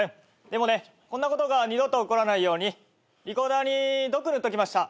でもねこんなことが二度と起こらないようにリコーダーに毒塗っときました。